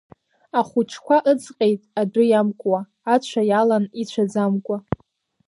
Ахәыҷқәа ыҵҟьеит адәы иамкуа, ацәа иалан ицәаӡамкәа.